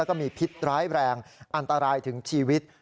แล้วก็มีพิษร้ายแรงอันตรายถึงชีวิต